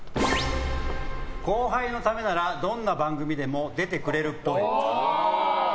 後輩のためならどんな番組でも出てくれるっぽい。